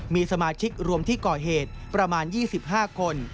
มีสมาชิกรวมที่ก่อเหตุประมาณ๒๕คน